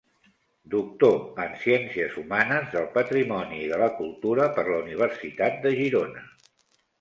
Doctor en Ciències Humanes, del Patrimoni i de la Cultura per la Universitat de Girona.